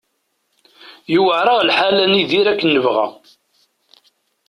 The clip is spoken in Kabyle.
Yuɛer-aɣ lḥal ad nidir akken nebɣa.